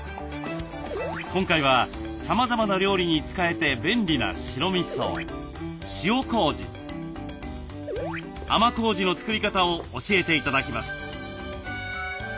今回はさまざまな料理に使えて便利な白みそ塩こうじ甘こうじの作り方を教えて頂きます。